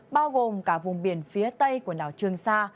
bao gồm cả vùng biển phía tây của đảo trường sa